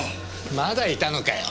まだいたのかよ。